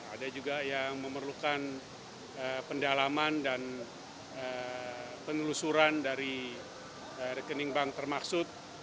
ada juga yang memerlukan pendalaman dan penelusuran dari rekening bank termaksud